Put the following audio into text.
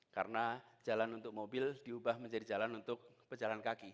karena jalan untuk mobil diubah menjadi jalan untuk pejalan kaki